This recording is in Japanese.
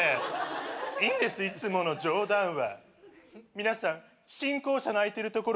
いいんですいつもの冗談は。